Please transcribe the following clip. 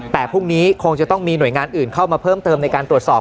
แต่พรุ่งนี้คงจะต้องมีหน่วยงานอื่นเข้ามาเพิ่มเติมในการตรวจสอบ